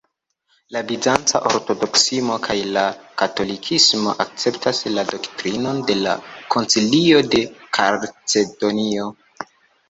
La bizanca ortodoksismo kaj la katolikismo akceptas la doktrinon de la Koncilio de Kalcedonio.